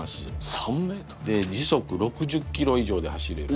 で時速６０キロ以上で走れる。